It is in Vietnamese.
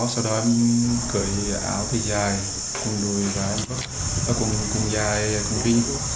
sau đó em cởi áo thịt dài cùng dài cùng vinh